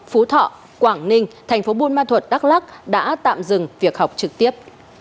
phú thọ quảng ninh tp bùn ma thuật đắk lắc đã tạm dừng việc học trực tiếp